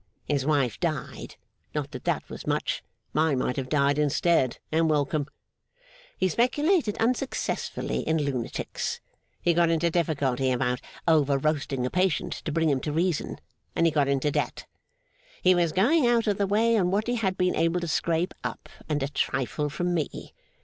His wife died (not that that was much; mine might have died instead, and welcome), he speculated unsuccessfully in lunatics, he got into difficulty about over roasting a patient to bring him to reason, and he got into debt. He was going out of the way, on what he had been able to scrape up, and a trifle from me.